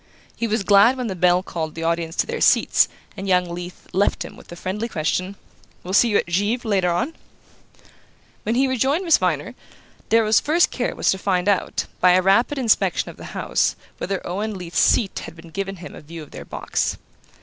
He was glad when the bell called the audience to their seats, and young Leath left him with the friendly question: "We'll see you at Givre later on?" When he rejoined Miss Viner, Darrow's first care was to find out, by a rapid inspection of the house, whether Owen Leath's seat had given him a view of their box.